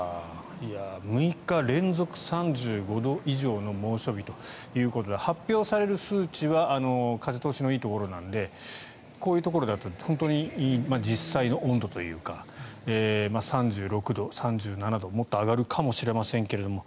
いや、６日連続３５度以上の猛暑日ということで発表される数値は風通しのいいところなのでこういうところだと実際の温度というか３６度、３７度もっと上がるかもしれませんけども。